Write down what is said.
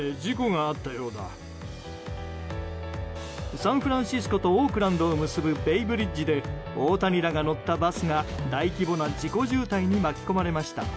サンフランシスコとオークランドを結ぶベイブリッジで大谷らが乗ったバスが大規模な事故渋滞に巻き込まれました。